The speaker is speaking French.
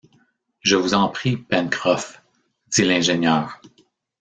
Je vous en prie, Pencroff, dit l’ingénieur.